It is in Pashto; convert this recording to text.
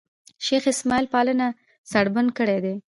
شېخ اسماعیل پالنه سړبن کړې ده.